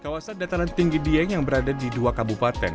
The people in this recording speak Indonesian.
kawasan dataran tinggi dieng yang berada di dua kabupaten